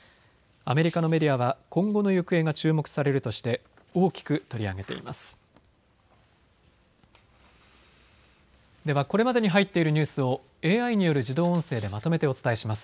アメリカのメディアは今後の行方が注目されるとして大きく取り上げています。